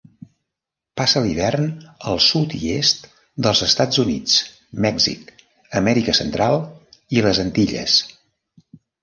Passa l'hivern al sud i est dels Estats Units, Mèxic, Amèrica Central i les Antilles.